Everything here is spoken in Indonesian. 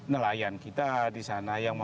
nelayan kita di sana yang